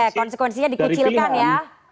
oke konsekuensinya dikucilkan ya